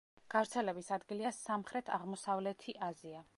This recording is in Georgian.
გავრცელების ადგილია სამხრეთ-აღმოსავლეთი აზია.